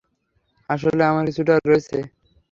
আসলে, আমার কিছুটা রয়েছে।